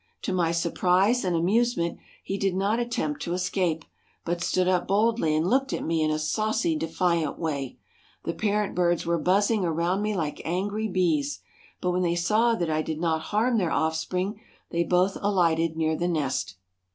To my surprise and amusement he did not attempt to escape, but stood up boldly and looked at me in a saucy, defiant way. The parent birds were buzzing around me like angry bees, but when they saw that I did not harm their offspring they both alighted near the nest.